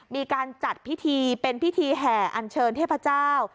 มีการจัดพิธีเป็นพิธีแห่อันเชิญเทพเจ้า